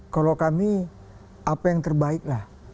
kalau kami apa yang terbaiklah